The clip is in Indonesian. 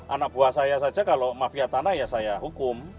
anak buah saya saja kalau mafia tanah ya saya hukum